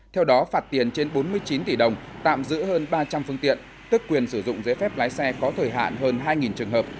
theo đó phạt tiền trên bốn mươi chín tỷ đồng tạm giữ hơn ba trăm linh phương tiện tức quyền sử dụng giấy phép lái xe có thời hạn hơn hai trường hợp